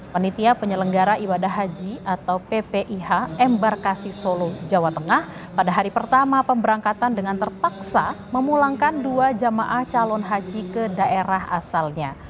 penitia penyelenggara ibadah haji atau ppih embarkasi solo jawa tengah pada hari pertama pemberangkatan dengan terpaksa memulangkan dua jamaah calon haji ke daerah asalnya